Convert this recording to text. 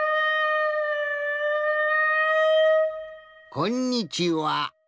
こんにちは。